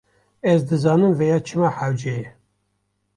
Ez dizanim vêya çima hewce ye.